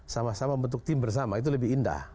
sama sama membentuk tim bersama itu lebih indah